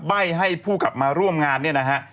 ใบ้ให้ผู้กลับมาร่วมงานเนี่ยนะฮะ